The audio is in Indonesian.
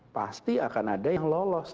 pasti akan ada yang lolos